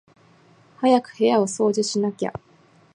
早く部屋を掃除しなきゃ